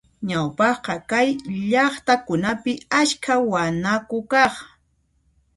Ñawpaqqa kay llaqtakunapi askha wanaku kaq.